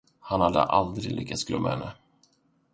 Han hade aldrig lyckats glömma henne.